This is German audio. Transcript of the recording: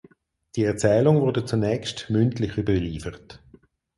Die Erzählung wurde zunächst mündlich überliefert.